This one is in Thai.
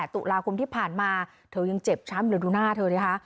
๒๘ตุลาคมที่ผ่านมาเธอยังเจ็บช้ามินาทุนหน้าเธอนะคะ